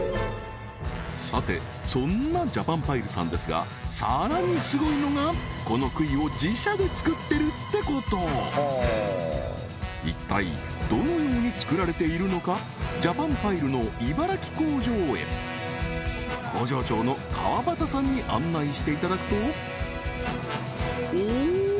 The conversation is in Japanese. さてそんなジャパンパイルさんですがさらにすごいのがこの杭を自社で作ってるってこと一体どのように作られているのかジャパンパイルの茨城工場へ工場長の川端さんに案内していただくとおお！